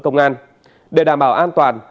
công an để đảm bảo an toàn